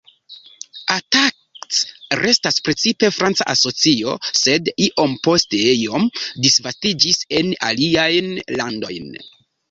Attac restas precipe franca asocio sed iom post iom disvastiĝis en aliajn landojn.